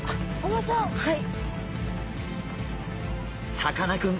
さかなクン